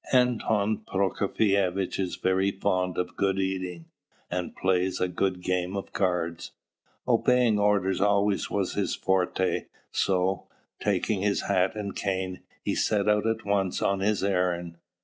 Anton Prokofievitch is very fond of good eating, and plays a good game at cards. Obeying orders always was his forte; so, taking his hat and cane, he set out at once on his errand.